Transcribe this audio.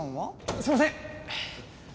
すいません。